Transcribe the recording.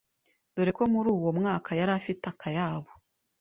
dore ko muri uwo mwaka yari afite akayabo